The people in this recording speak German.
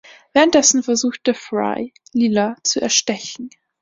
Währenddessen versucht Fry, Leela zu erstechen.